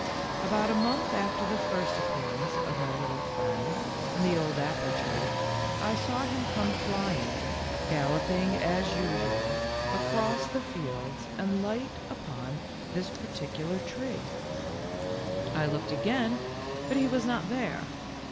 About a month after the first appearance of my little friend in the old apple tree I saw him come flying, galloping as usual, across the fields and light upon this particular tree. J THE GALLOPING HESSIAN. 29 looked again, but he was not there.